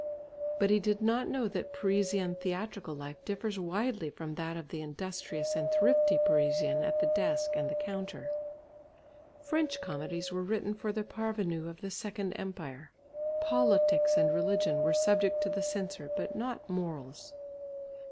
But he did not know that Parisian theatrical life differs widely from that of the industrious and thrifty Parisian at the desk and the counter. French comedies were written for the parvenus of the Second Empire; politics and religion were subject to the censor, but not morals.